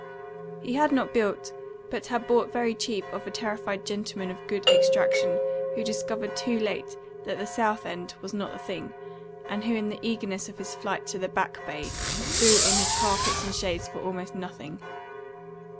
He had not built, but had bought very cheap of a terrified gentleman of good extraction who discovered too late that the South End was not the thing, and who in the eagerness of his flight to the Back Bay threw in his carpets and shades for almost nothing.